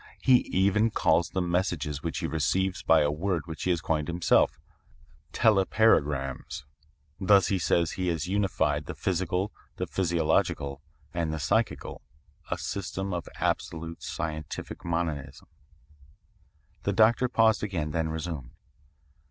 He even calls the messages which he receives by a word which he has coined himself, 'telepagrams.' Thus he says he has unified the physical, the physiological, and the psychical a system of absolute scientific monism." The doctor paused again, then resumed.